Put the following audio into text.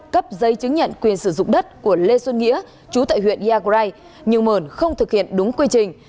cấp giấy chứng nhận quyền sử dụng đất của lê xuân nghĩa chú tại huyện iagrai nhưng mờn không thực hiện đúng quy trình